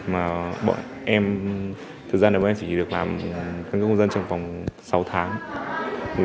mà bọn em thời gian này bọn em chỉ được làm căn cấp công dân trong vòng sáu tháng